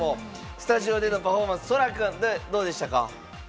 スタジオでのパフォーマンスそらくん、どうでしたか？